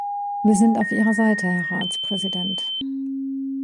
Wir sind auf Ihrer Seite, Herr Ratspräsident.